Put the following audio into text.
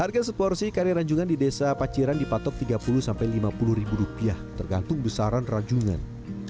harga seporsi kari ranjungan di desa paciran dipatok tiga puluh lima puluh ribu rupiah tergantung besaran ranjungan